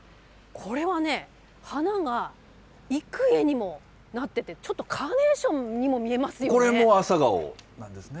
これはね、花が幾重にもなってて、ちょっとカーネーションにも見えこれも朝顔なんですね。